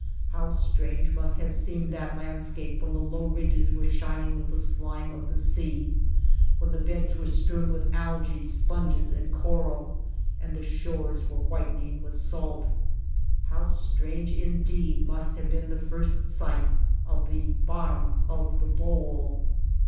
How strange must have seemed that landscape when the low ridges were shining with the slime of the sea, when the beds were strewn with algce, sponges, and coral, and the shores were whitening with salt ! How strange, indeed, must have been the first sight of the Bottom of the Bowl!